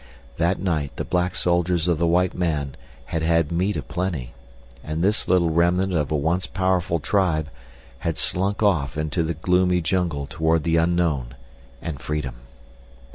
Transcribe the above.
That night the black soldiers of the white man had had meat a plenty, and this little remnant of a once powerful tribe had slunk off into the gloomy jungle toward the unknown, and freedom.